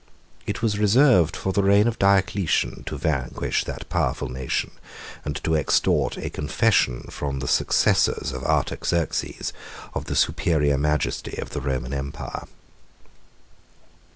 It was reserved for the reign of Diocletian to vanquish that powerful nation, and to extort a confession from the successors of Artaxerxes, of the superior majesty of the Roman empire.